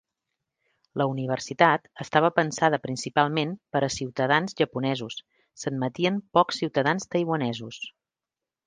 La Universitat estava pensada principalment per a ciutadans japonesos, s'admetien pocs estudiants taiwanesos.